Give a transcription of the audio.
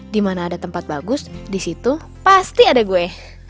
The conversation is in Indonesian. di mana ada tempat bagus di situ pasti ada gue